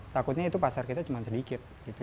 takutnya itu pasar kita cuma sedikit